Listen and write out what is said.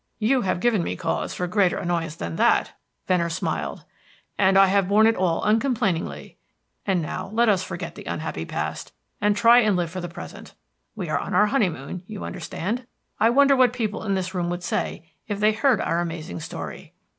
"You have given me cause for greater annoyance than that," Venner smiled. "And I have borne it all uncomplainingly. And now let us forget the unhappy past, and try and live for the present. We are on our honeymoon, you understand. I wonder what people in this room would say if they heard our amazing story."